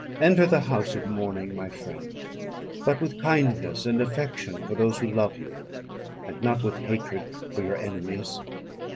Enter the house of mourning, my friend, but with kindness and affection for those who love you, and not with hatred for your enemies.